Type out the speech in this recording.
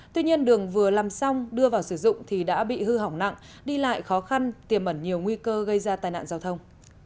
tuy nhiên đường vừa làm xong đưa vào sử dụng thì đã bị hư hỏng nặng đi lại khó khăn tiềm ẩn nhiều nguy cơ gây ra tai nạn giao thông